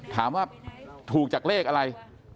ถามว่าถูกจากเลขอะไร